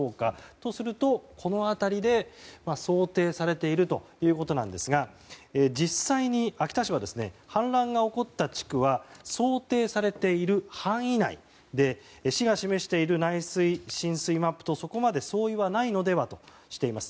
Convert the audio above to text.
とすると、この辺りで想定されているということですが実際に、秋田市は氾濫が起こった地区は想定されている範囲内で市が示している内水浸水マップとそこまで相違はないのではとしています。